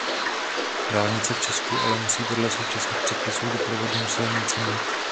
Dálnice v Česku ale musí podle současných předpisů doprovodnou silnici mít.